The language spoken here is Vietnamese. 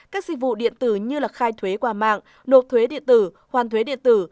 các dịch vụ điện tử như khai thuế qua mạng nộp thuế điện tử hoàn thuế điện tử